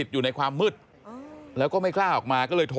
ทางนิติกรหมู่บ้านแจ้งกับสำนักงานเขตประเวท